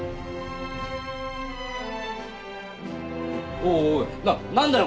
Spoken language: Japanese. おいおいな何だよ？